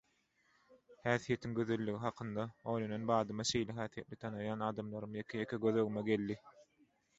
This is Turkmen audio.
Häsiýetiň gözelligi hakynda oýlanan badyma şeýle häsiýetli tanaýan adamlarym ýeke-ýeke göz öňüme geldi.